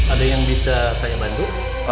ada yang bisa saya bantu